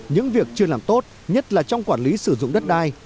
những việc chưa làm tốt nhất là trong quản lý sử dụng đất đai